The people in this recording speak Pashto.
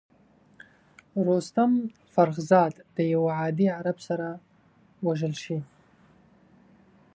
رستم فرخ زاد د یوه عادي عرب سره وژل شي.